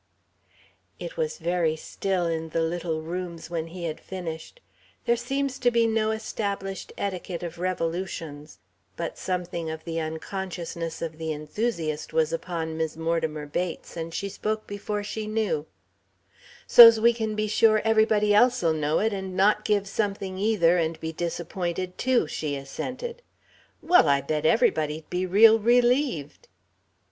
It was very still in the little rooms when he had finished. There seems to be no established etiquette of revolutions. But something of the unconsciousness of the enthusiast was upon Mis' Mortimer Bates, and she spoke before she knew: "So's we can be sure everybody else'll know it and not give something either and be disappointed too," she assented. "Well, I bet everybody'd be real relieved."